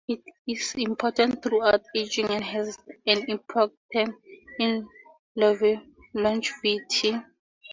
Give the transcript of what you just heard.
It is important throughout aging and has an impact on longevity.